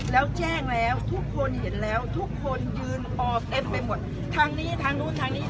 แล้วแจ้งแล้วทุกคนเห็นแล้วทุกคนยืนออกเต็มไปหมดทางนี้ทางนู้นทางนี้